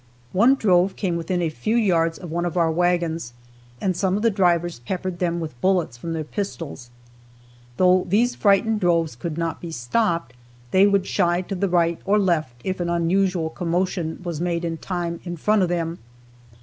One drove came within a few yards of one of our wagons, and some of the drivers peppered them with bullets from their pistols. Though these frightened droves could not be stopped, they would shy to the right or left if an unusual commotion was made in time in front of them.